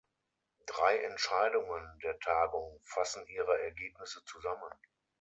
Drei Entscheidungen der Tagung fassen ihre Ergebnisse zusammen.